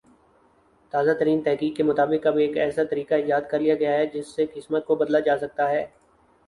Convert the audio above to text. تازہ ترین تحقیق کے مطابق اب ایک ایسا طریقہ ایجاد کر لیا گیا ہے جس سے قسمت کو بدلہ جاسکتا ہے